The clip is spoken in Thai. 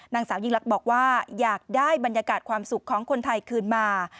นางสาวยิ่งลักษณ์บอกว่าอยากได้บรรยากาศความสุขของคนไทยคืนมา